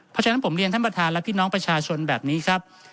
เพราะฉะนั้นผมเรียนท่านประธานและพี่น้องประชาชนแบบนี้ครับ